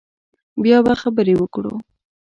بیا به خبرې وکړو